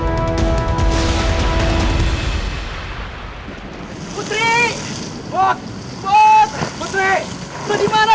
ini putri harus gimana